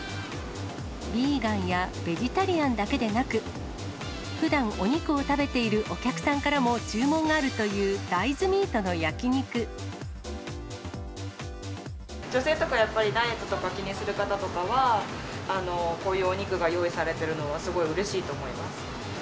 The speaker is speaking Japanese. ビーガンやベジタリアンだけでなく、ふだんお肉を食べているお客さんからも注文があるという大豆ミー女性とか、やっぱりダイエットとか気にする方とかは、こういうお肉が用意されているのは、すごいうれしいと思います。